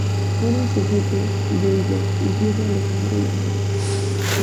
Fueron sujetos de ellas incluso Alejandro y Homero.